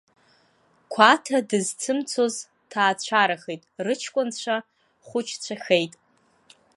Қәаҭа дызцымцоз ҭаацәарахеит, рыҷкәынцәа хәыҷцәахеит.